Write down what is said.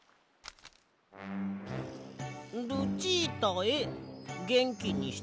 「ルチータへげんきにしてる？